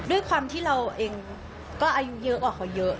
ด้วยความที่เราเองก็อายุเยอะกว่าเขาเยอะ